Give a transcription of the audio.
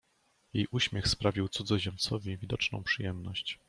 Jej uśmiech sprawił cudzoziemcowi widoczną przyjemność.